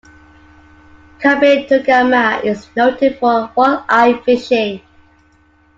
Kabetogama is noted for walleye fishing.